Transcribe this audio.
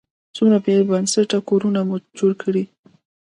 څومره بې بنسټه کورونه مو جوړ کړي.